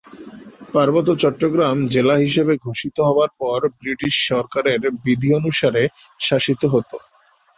পার্বত্য চট্টগ্রাম জেলা হিসেবে ঘোষিত হবার পর ব্রিটিশ সরকারের বিধি অনুসারে শাসিত হতো।